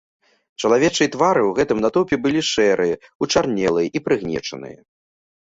Чалавечыя твары ў гэтым натоўпе былі шэрыя, учарнелыя і прыгнечаныя.